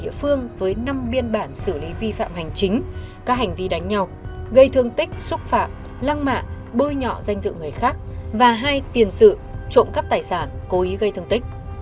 hải là một đối tượng bất hảo ở địa phương với năm biên bản xử lý vi phạm hành chính các hành vi đánh nhau gây thương tích xúc phạm lăng mạng bôi nhọ danh dự người khác và hai tiền sự trộm cắp tài sản cố ý gây thương tích